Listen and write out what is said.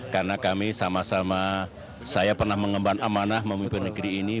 karena kami sama sama saya pernah mengemban amanah memimpin negeri ini